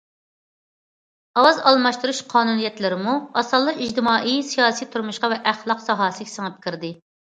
تاۋار ئالماشتۇرۇش قانۇنىيەتلىرىمۇ ئاسانلا ئىجتىمائىي، سىياسىي تۇرمۇشقا ۋە ئەخلاق ساھەسىگە سىڭىپ كىردى.